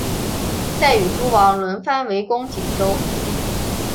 再与诸王轮番围攻锦州。